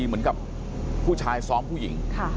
เหมือนกับผู้ชายซ้อมผู้หญิง